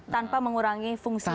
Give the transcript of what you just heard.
tanpa mengurangi fungsinya ya